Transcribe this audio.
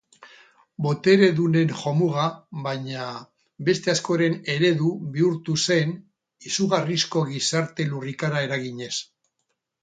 Boteredunen jomuga, baina beste askoren eredu bihurtu zen izugarrizko gizarte lurrikara eraginez.